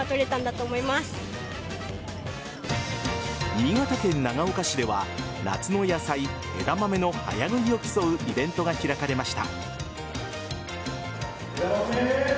新潟県長岡市では夏の野菜・枝豆の早食いを競うイベントが開かれました。